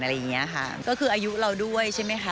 อะไรอย่างเงี้ยค่ะก็คืออายุเราด้วยใช่ไหมคะ